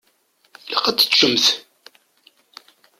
Ilaq ad teččemt.